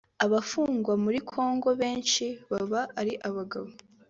Abafungwa muri Congo benshi baba ari abagabo